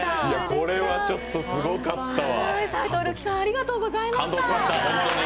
これはちょっとすごかったわ。